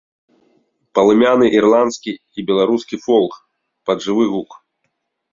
Палымяны ірландскі і беларускі фолк пад жывы гук.